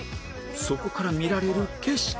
そこから見られる景色とは？